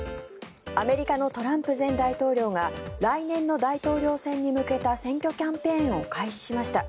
アメリカのトランプ前大統領が来年の大統領選挙に向けた選挙キャンペーンを開始しました。